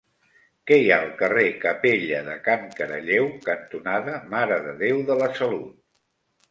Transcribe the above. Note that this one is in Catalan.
Què hi ha al carrer Capella de Can Caralleu cantonada Mare de Déu de la Salut?